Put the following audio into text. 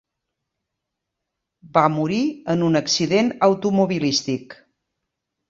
Va morir en un accident automobilístic.